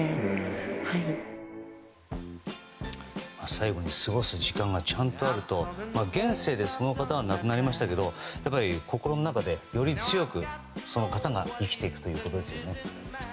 最後に過ごす時間がちゃんとあると現世でその方は亡くなりましたけどやっぱり、心の中でより強く、その方が生きていくということですよね。